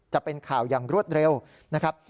จะเป็นข่าวอย่างรวดเร็วนะครับ